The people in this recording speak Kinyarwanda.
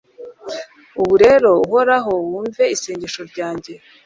ubu rero, uhoraho, wumve isengesho ryanjye